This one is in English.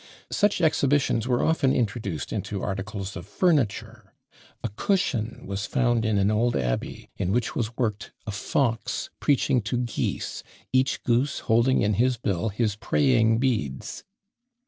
'" Such exhibitions were often introduced into articles of furniture. A cushion was found in an old abbey, in which was worked a fox preaching to geese, each goose holding in his bill his praying beads!